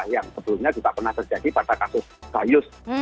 yang sebelumnya juga pernah terjadi pada kasus gayus